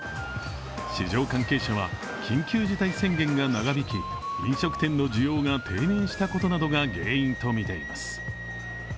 市場関係者は、緊急事態宣言が長引き飲食店の需要が低迷したことなどが原因とみています。